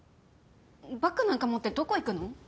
バッグなんか持ってどこ行くの？